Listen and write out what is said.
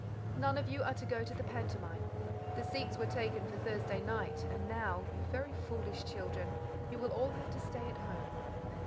"None of you are to go to the pantomime. The seats were taken for Thursday night, and now, you very foolish children, you will all have to stay at home."